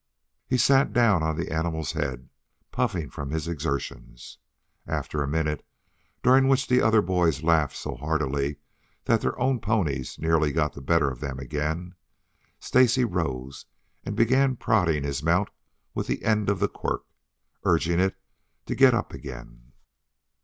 He sat down on the animal's head, puffing from his exertions. After a minute, during which the other boys laughed so heartily that their own ponies nearly got the better of them again, Stacy rose and began prodding his mount with the end of the quirt, urging it to get up again.